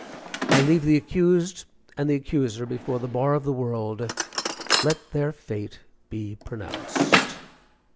I leave the accused and the accuser before the bar of the world let their fate be pronounced.